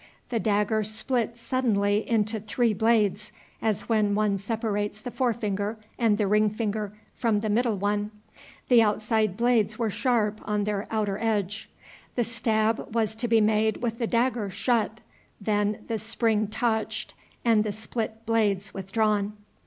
The dagger split suddenly into three blades, as when one separates the forefinger and the ring finger from the middle one. The outside blades were sharp on their outer edge. The stab was to be made with the dagger shut, then the spring touched and the split blades withdrawn.